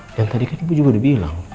dan tadi kan ibu juga udah bilang